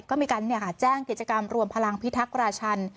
ก็มีการแจ้งกิจกรรมรวมพลังพิทักษ์ราชัน